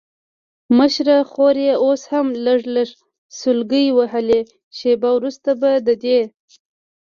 مشره خور یې اوس هم لږ لږ سلګۍ وهلې، شېبه وروسته به د دې.